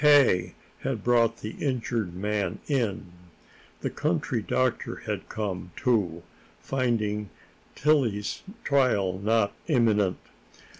K. had brought the injured man in. The country doctor had come, too, finding Tillie's trial not imminent.